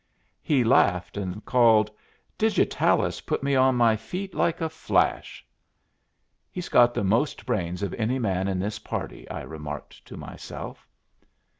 He laughed, and called, "Digitalis put me on my feet like a flash." "He's got the most brains of any man in this party," I remarked to myself.